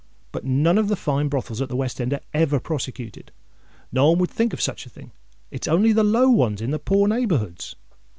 But none of the fine brothels at the West End are ever prosecuted: no one would think of such a thing! It's only the low ones in the poor neighbourhoods."